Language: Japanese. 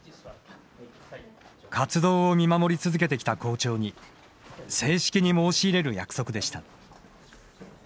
活動を見守り続けてきた校長に正式に申し入れる約束でした。